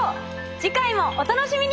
次回もお楽しみに！